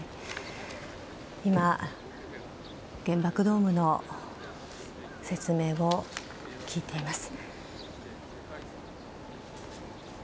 今、原爆ドームの説明を聞いています。